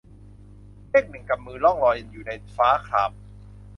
เมฆหนึ่งกำมือล่องลอยอยู่ในฟ้าคราม